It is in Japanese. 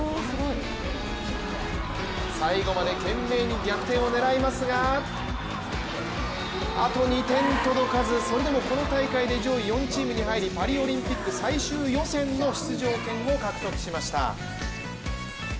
最後まで懸命に逆転を狙いますがあと２点届かず、それでもこの大会で上位４チームに入りパリオリンピック最終予選の出場権を獲得しました。